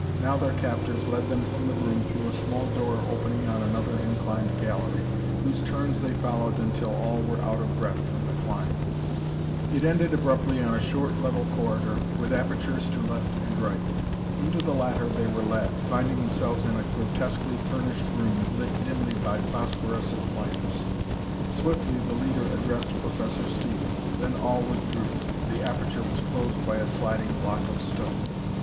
Now their captors led them from the room through a small door opening on another inclined gallery, whose turns they followed until all were out of breath from the climb. It ended abruptly on a short, level corridor with apertures to left and right. Into the latter they were led, finding themselves in a grotesquely furnished room, lit dimly by phosphorescent lamps. Swiftly the leader addressed Professor Stevens. Then all withdrew. The aperture was closed by a sliding block of stone.